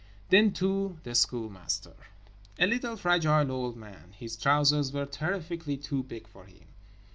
Then, too, the Schoolmaster. A little fragile old man. His trousers were terrifically too big for him.